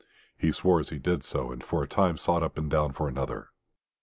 He swore as he did so, and for a time sought up and down for another.